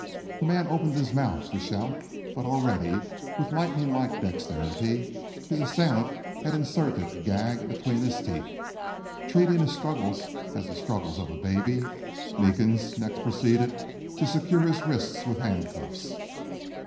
The man opened his mouth to shout, but already, with lightning like dexterity, his assailant had inserted a gag between his teeth. Treating his struggles as the struggles of a baby, Meekins next proceeded to secure his wrists with handcuffs.